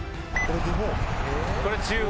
これ中国。